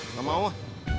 nggak mau ah